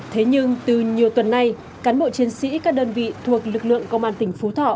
thế nhưng từ nhiều tuần nay cán bộ chiến sĩ các đơn vị thuộc lực lượng công an tỉnh phú thọ